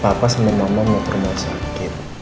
papa sama mama mau ke rumah sakit